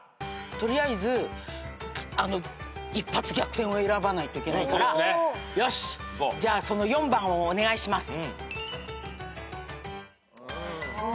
取りあえず一発逆転を選ばないといけないからよしっじゃあその４番をお願いします。